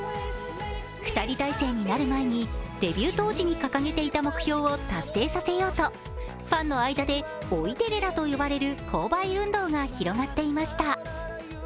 ２人体制になる前にデビュー当時に掲げていた目標を達成させようと、ファンの間で追いデレラと呼ばれる購買運動が広がっていました。